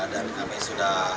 dan kami sudah